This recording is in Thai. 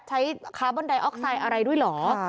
คาร์บอนไดออกไซด์อะไรด้วยเหรอ